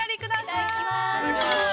◆いただきます。